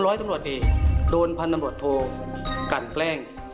ผมร้อยตำรวจดีโดนพันตำรวจโทรกันแกล้ง